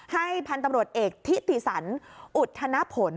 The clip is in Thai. ให้พันธุ์ตำรวจเอกที่ติสรรอุทธนผล